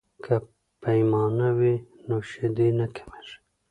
که پیمانه وي نو شیدې نه کمیږي.